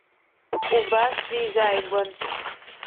Убас дизааигәан.